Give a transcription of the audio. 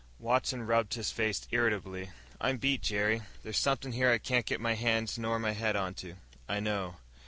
Watson rubbed his face irritably. "I'm beat, Jerry. There's somethin' here I can't get my hands nor my head onto." "I know."